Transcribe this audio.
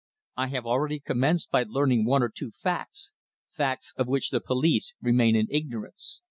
I have already commenced by learning one or two facts facts of which the police remain in ignorance.